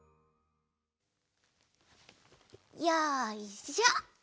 よいしょ！